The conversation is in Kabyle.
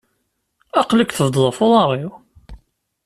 Aql-ik tebeddeḍ af uḍaṛ-iw!